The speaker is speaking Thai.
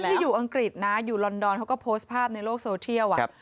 ที่อยู่อังกฤษนะอยู่ลอนดอนเขาก็โพสต์ภาพในโลกโซเทียล